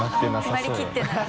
決まりきってない。